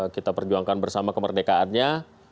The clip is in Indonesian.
kita perjuangkan bersama kemerdekaannya